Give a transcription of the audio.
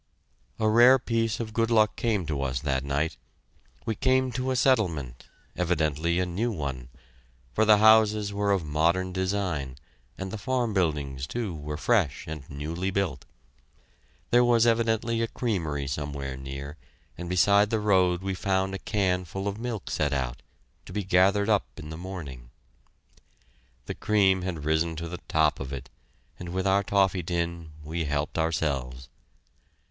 A rare piece of good luck came to us that night. We came to a settlement, evidently a new one, for the houses were of modern design, and the farm buildings, too, were fresh and newly built. There was evidently a creamery somewhere near, and beside the road we found a can full of milk set out, to be gathered up in the morning. The cream had risen to the top of it, and with our toffee tin we helped ourselves.